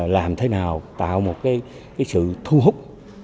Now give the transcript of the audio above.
làm thế nào tạo một cái sự thu hút